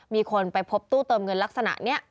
มีคนไปพบตู้เติมเงินลักษณะนี้